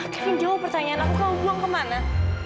kevin jauh pertanyaan aku kamu buang ke mana